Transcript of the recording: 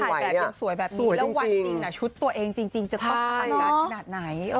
จริงนะชุดตัวเองจริงจะต้องการหนัดไหน